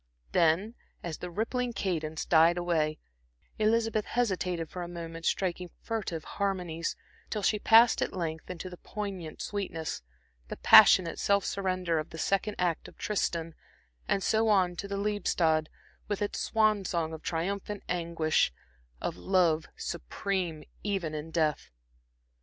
Then, as the rippling cadence died away, Elizabeth hesitated for a moment, striking furtive harmonies, till she passed at length into the poignant sweetness, the passionate self surrender of the second act of Tristan, and so on to the Liebestod, with its swan song of triumphant anguish, of love supreme even in death.